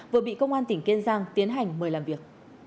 vừa bị công an tỉnh kiên giang tiến hành mời làm việc